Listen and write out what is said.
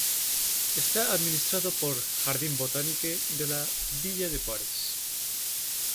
Está administrado por Jardin botanique de la Ville de Paris.